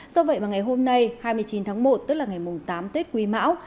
do vậy mà ngày hôm nay hai mươi chín tháng một tức là ngày tám tết quý mão